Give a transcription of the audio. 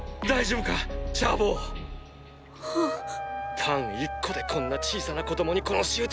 パン１個でこんな小さな子供にこの仕打ち。